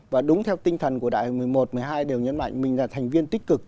và đúng theo tinh thần của đại hội một mươi một một mươi hai đều nhấn mạnh mình là thành viên tích cực